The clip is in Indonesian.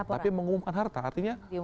tapi mengumumkan harta artinya